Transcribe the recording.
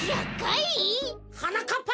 はなかっぱ！